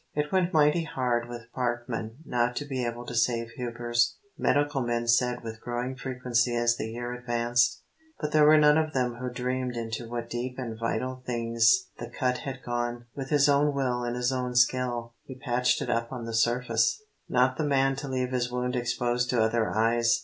"It went mighty hard with Parkman not to be able to save Hubers," medical men said with growing frequency as the year advanced. But there were none of them who dreamed into what deep and vital things the cut had gone. With his own will and his own skill he patched it up on the surface, not the man to leave his wound exposed to other eyes.